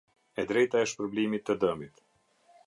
E drejta e shpërblimit të dëmit.